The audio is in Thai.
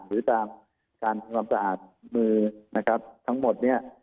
หรือตามการทำความสะอาดมือนะครับทั้งหมดเนี่ย